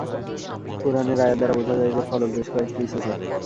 কুরআনের আয়াত দ্বারা বোঝা যায় যে, ফলক বেশ কয়েকটিই ছিল।